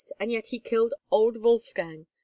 And yet he killed old Wolfgang!